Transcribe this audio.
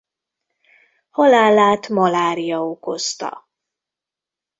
Halálát malária okozta.